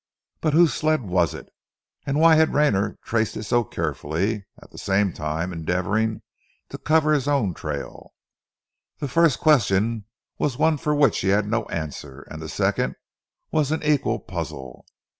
But whose sled was it? And why had Rayner traced it so carefully, at the same time endeavouring to cover his own trail? The first question was one for which he had no answer, and the second was an equal puzzle.